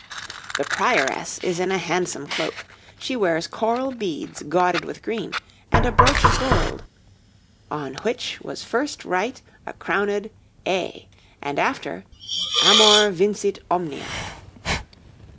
THE PRIORESS is in a handsome cloak; she wears coral beads gauded with green, and a brooch of gold 'On which was first write a crowned A, And after, "Amor vincit omnia."'